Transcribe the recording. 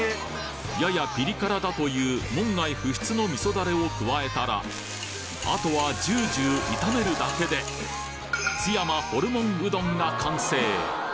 ややピリ辛だという門外不出の味噌だれを加えたらあとはジュージュー炒めるだけで津山ホルモンうどんが完成！